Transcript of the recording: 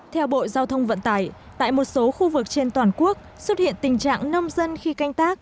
theo bộ giao thông vận tải tại một số khu vực trên toàn quốc xuất hiện tình trạng nông dân khi canh tác